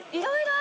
あ。